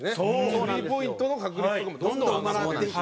スリーポイントの確率とかもどんどん上がってるし。